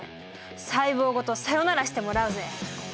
細胞ごとサヨナラしてもらうぜ。